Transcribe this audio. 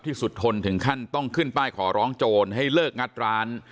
สุดทนถึงขั้นต้องขึ้นป้ายขอร้องโจรให้เลิกงัดร้าน